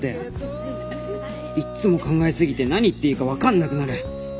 いっつも考えすぎて何言っていいか分かんなくなる